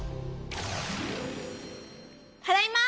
ただいま！